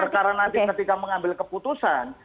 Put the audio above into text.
perkara nanti ketika mengambil keputusan